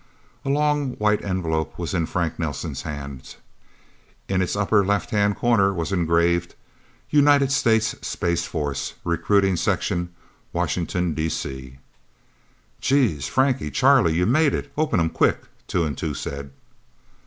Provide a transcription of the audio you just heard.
A long, white envelope was in Frank Nelsen's hands. In its upper left hand corner was engraved: UNITED STATES SPACE FORCE RECRUITING SECTION WASHINGTON, D.C. "Jeez, Frankie Charlie you made it open 'em, quick!" Two and Two said.